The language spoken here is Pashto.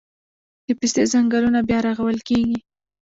د پستې ځنګلونه بیا رغول کیږي